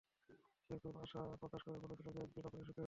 সে খুব আশা প্রকাশ করে বলেছিল যে একদিন আপনিও সুখী হবেন!